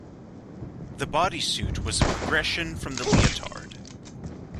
The bodysuit was a progression from the leotard.